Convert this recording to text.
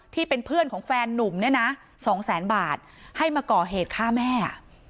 ที่เป็นเพื่อนของแฟนหนุ่ม๒แสนบาทให้มาก่อเหตุฆ่าแม่